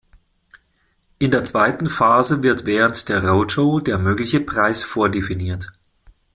In der zweiten Phase wird während der Roadshow der mögliche Preis vordefiniert.